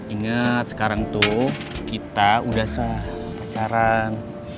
ingat sekarang tuh kita udah sah pacaran